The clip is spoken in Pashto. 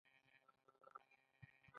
زما په خیالونو کې دا سیمه لا هم شام دی.